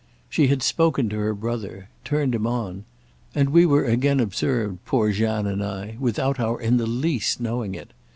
She had spoken to her brother—turned him on; and we were again observed, poor Jeanne and I, without our in the least knowing it.